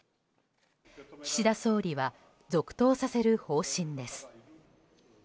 岸田総理は続投させる方針です。